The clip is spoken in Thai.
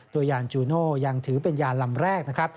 โดยยานจูโน่ยังถือเป็นยานลำแรกนะครับ